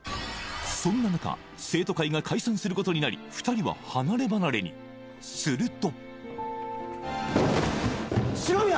そんな中生徒会が解散することになり２人は離れ離れにすると四宮！